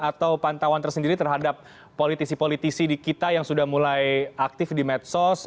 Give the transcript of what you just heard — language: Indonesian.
atau pantauan tersendiri terhadap politisi politisi di kita yang sudah mulai aktif di medsos